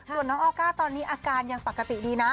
ส่วนน้องออก้าตอนนี้อาการยังปกติดีนะ